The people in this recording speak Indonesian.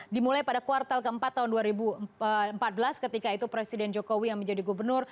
dimulai pada kuartal keempat tahun dua ribu empat belas ketika itu presiden jokowi yang menjadi gubernur